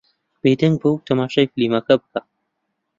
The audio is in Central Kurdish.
بێدەنگ بە و تەماشای فیلمەکە بکە.